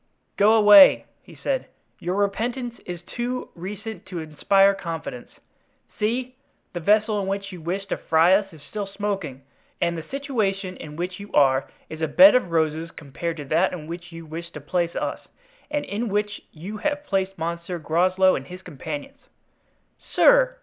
"Go away," he said; "your repentance is too recent to inspire confidence. See! the vessel in which you wished to fry us is still smoking; and the situation in which you are is a bed of roses compared to that in which you wished to place us and in which you have placed Monsieur Groslow and his companions." "Sir!"